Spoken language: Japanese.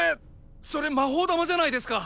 それ魔法玉じゃないですか！